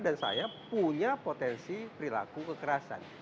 dan saya punya potensi perilaku kekerasan